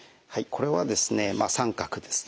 これはですね△ですね。